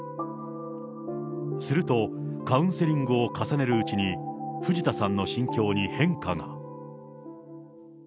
すると、カウンセリングを重ねるうちに、藤田さんの心境に変化が。